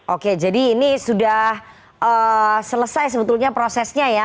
oke jadi ini sudah selesai sebetulnya prosesnya ya